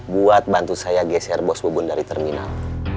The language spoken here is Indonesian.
buat bantu saya geser bos bu bun dari terminal